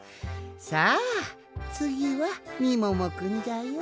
さあつぎはみももくんじゃよ。